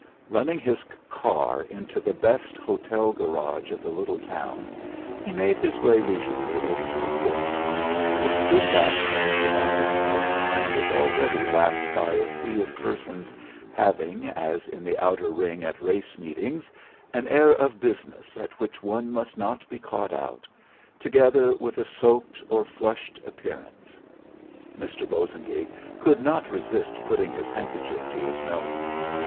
Running his car into the best hotel garage of the little town, he made his way leisurely over to the court. It stood back from the market place, and was already lapped by a sea of persons having, as in the outer ring at race meetings, an air of business at which one must not be caught out, together with a soaked or flushed appearance. Mr. Bosengate could not resist putting his handkerchief to his nose.